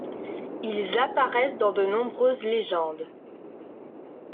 Ils apparaissent dans de nombreuses légendes.